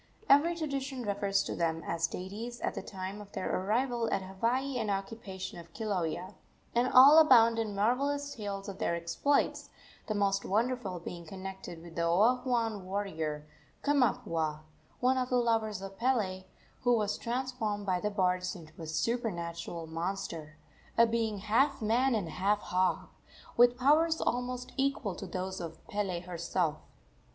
Every tradition refers to them as deities at the time of their arrival at Hawaii and occupation of Kilauea, and all abound in marvellous tales of their exploits, the most wonderful being connected with the Oahuan warrior Kamapuaa, one of the lovers of Pele, who was transformed by the bards into a supernatural monster a being half man and half hog with powers almost equal to those of Pele herself.